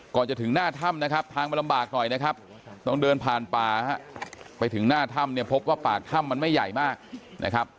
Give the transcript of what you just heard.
ก่อนจะถึงหน้าถ้ำนะครับทางมันลำบากหน่อยนะครับต้องเดินผ่านป่าไปถึงหน้าถ้ำเนี่ยพบว่าปากถ้ำมันไม่ใหญ่มากนะครับ